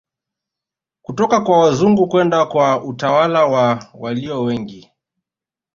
Kutoka kwa wazungu kwenda kwa utawala wa walio wengi